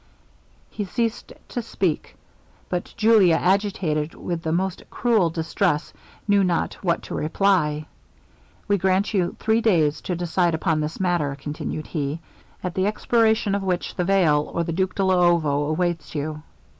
He ceased to speak; but Julia, agitated with the most cruel distress, knew not what to reply. 'We grant you three days to decide upon this matter,' continued he, 'at the expiration of which, the veil, or the Duke de Luovo, awaits you.'